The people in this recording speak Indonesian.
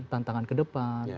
tantangan ke depan